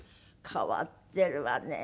変わってるわね。